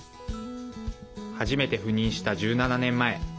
初めて赴任した１７年前。